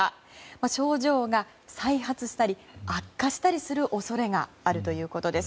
症状が再発したり悪化したりする恐れがあるということです。